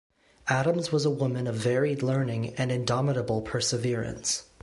Adams was a woman of varied learning and indomitable perseverance.